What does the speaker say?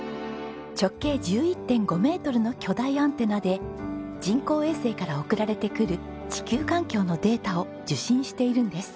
直径１１．５メートルの巨大アンテナで人工衛星から送られてくる地球環境のデータを受信しているんです。